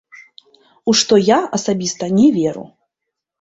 У што я асабіста не веру.